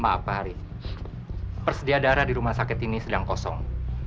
maaf pak harif persedia darah di rumah sakit ini sedang kosong